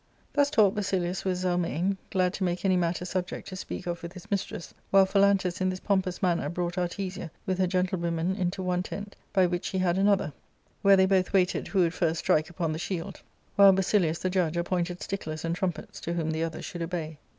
Thus talked Basilius with Zelmane, glad to make any matter subject to speak of with his mistress, while Phalantus in this pompous manner brought Artesia, with her gentle women, into one tent, by which he had another, where they both waited who would first strike upon the shield, while Basilius, the judge, appointed sticklers and trumpets, to whom the other should obey.